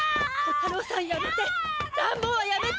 弧太郎さんやめて！